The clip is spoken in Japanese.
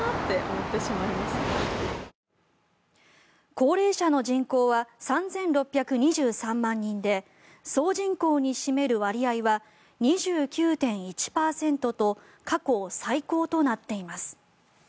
高齢者の人口は３６２３万人で総人口に占める割合は２９．１％と過去最高となっています。